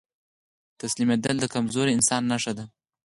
تسليمېدل د کمزوري انسان نښه ده.